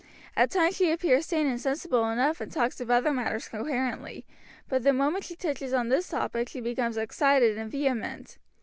At times she appears sane and sensible enough and talks of other matters coherently; but the moment she touches on this topic she becomes excited and vehement.